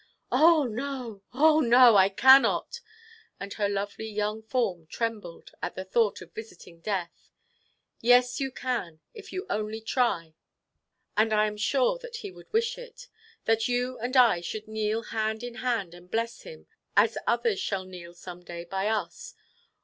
"Oh no, oh no. I cannot." And her lovely young form trembled, at the thought of visiting death. "Yes, you can, if you only try, and I am sure that he would wish it. That you and I should kneel hand in hand and bless him, as others shall kneel some day by us.